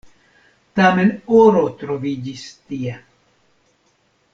Tamen oro troviĝis tie.